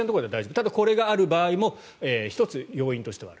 ただこれがある場合も１つ、要因としてはある。